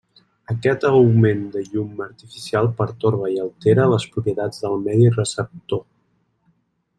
Aquest augment de llum artificial pertorba i altera les propietats del medi receptor.